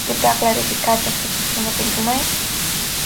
Ați putea clarifica această chestiune pentru noi?